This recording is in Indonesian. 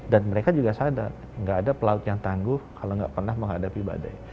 dan mereka juga sadar gak ada pelaut yang tangguh kalau gak pernah menghadapi badai